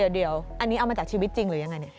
เดี๋ยวอันนี้เอามาจากชีวิตจริงหรือยังไงเนี่ย